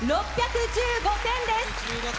６１５点です。